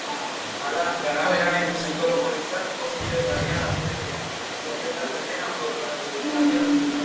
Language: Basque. Hala, garapenaren psikologoentzat oso interesgarria da aztertzea noiz gertatzen den autokategorizazio nazionala.